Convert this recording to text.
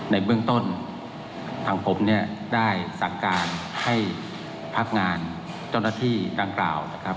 ในเบื้องต้นทางผมเนี่ยได้สั่งการให้พักงานเจ้าหน้าที่ดังกล่าวนะครับ